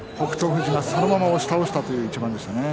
富士が、そのまま押し倒したという一番でしたね。